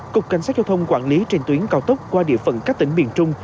cục cảnh sát giao thông quản lý trên tuyến cao tốc qua địa phận các tỉnh miền trung